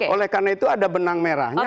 oleh karena itu ada benang merahnya